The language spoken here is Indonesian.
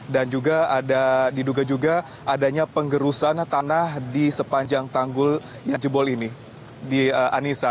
dan juga ada diduga juga adanya penggerusan tanah di sepanjang tanggul yang jebol ini di anissa